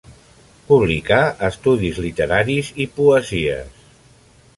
Publicà estudis literaris i poesies.